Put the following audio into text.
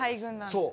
そう。